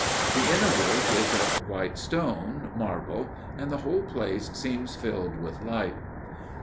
The inner work is of white stone, marble, and the whole place seems filled with light.